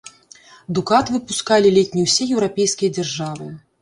Дукат выпускалі ледзь не ўсе еўрапейскія дзяржавы.